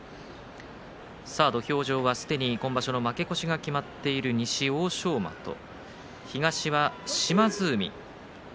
土俵上は、すでに負け越しが決まっている欧勝馬と東は島津海。